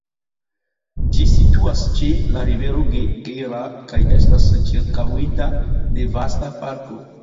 Ĝi situas ĉe la rivero Gera kaj estas ĉirkaŭita de vasta parko.